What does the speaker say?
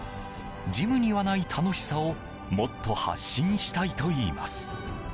ジムにはない楽しさをもっと発信したいといいます。